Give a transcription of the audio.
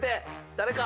誰か！